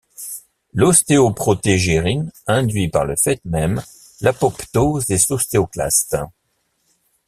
L'ostéoprotégérine induit par le fait même l'apoptose des ostéoclastes.